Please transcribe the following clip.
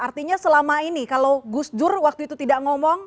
artinya selama ini kalau gus dur waktu itu tidak ngomong